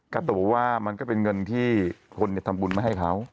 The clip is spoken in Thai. การ์ตูบอกว่ามันก็เป็นเงินที่คนทำบุญมาให้เขา